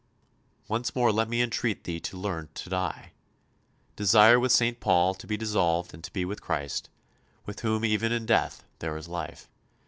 Once more let me entreat thee to learn to die.... Desire with St. Paul to be dissolved and to be with Christ, with whom even in death there is life....